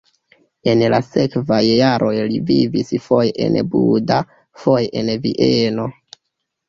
En la sekvaj jaroj li vivis foje en Buda, foje en Vieno.